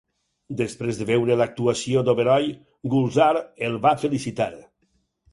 Després de veure l'actuació d'Oberoi, Gulzar el va felicitar.